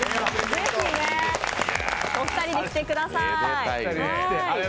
ぜひお二人で着てください。